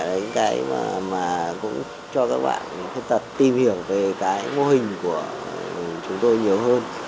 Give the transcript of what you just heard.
và đôi khi những cái facebook fanpage chẳng hạn thì là những cái mà cũng cho các bạn thực tập tìm hiểu về cái mô hình của chúng tôi nhiều hơn